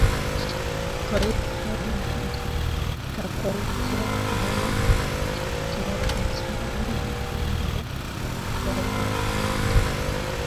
Koib Noordin Haji kakwautiet nebo chokchinet missing amu neo nebo kirwoket